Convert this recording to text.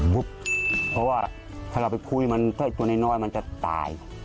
เพราะว่าถ้าเราไปคุยมันถ้าตัวน้อยมันจะตาย